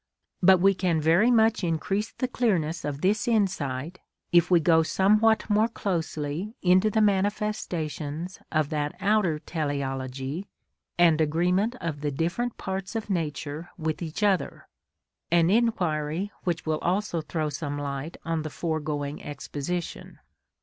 But we can very much increase the clearness of this insight if we go somewhat more closely into the manifestations of that outer teleology and agreement of the different parts of nature with each other, an inquiry which will also throw some light on the foregoing exposition.